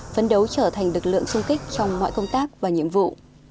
phấn đấu trở thành lực lượng sung kích trong mọi công tác và nhiệm vụ